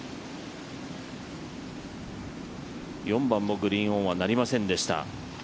４番もグリーンオンはなりませんでした。